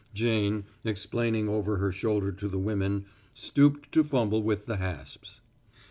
Jane, explaining over her shoulder to the women, stooped to fumble with the hasps.